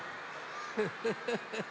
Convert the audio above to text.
フフフフフ。